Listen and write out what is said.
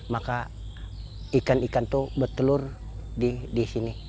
maka ikan ikan itu bertelur disini